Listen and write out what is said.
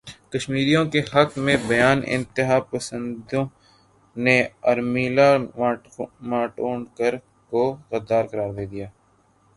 کشمیریوں کے حق میں بیان انتہا پسندوں نے ارمیلا ماٹونڈکر کو غدار قرار دے دیا